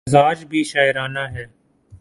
مزاج بھی شاعرانہ ہے۔